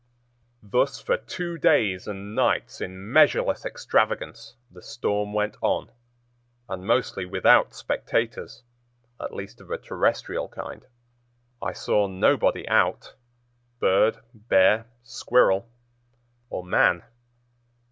Thus for two days and nights in measureless extravagance the storm went on, and mostly without spectators, at least of a terrestrial kind. I saw nobody out—bird, bear, squirrel, or man.